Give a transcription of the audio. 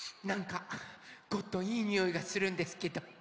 なんかゴットンいいにおいがするんですけど。